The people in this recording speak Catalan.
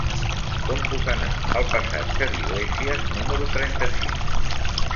Com puc anar al passatge d'Iglésias número trenta-sis?